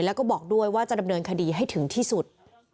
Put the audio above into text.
แล้วก็บอกด้วยว่าจะดำเนินคดีให้ถึงที่สุด